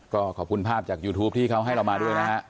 ก็ขอบคุณภาพจากยูทูปที่เขาให้เรามาด้วยนะฮะ